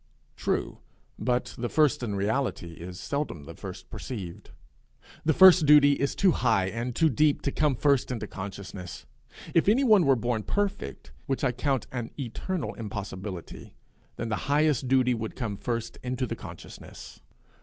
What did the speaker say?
True; but the first in reality is seldom the first perceived. The first duty is too high and too deep to come first into consciousness. If any one were born perfect, which I count an eternal impossibility, then the highest duty would come first into the consciousness.